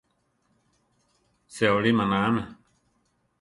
Seolí manáame.